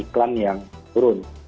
dan juga pendapatan yang turun